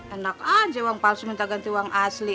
enak aja uang palsu minta ganti uang asli